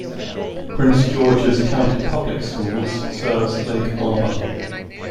Prince George's County Public Schools serves Lake Arbor.